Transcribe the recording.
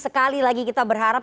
sekali lagi kita berharap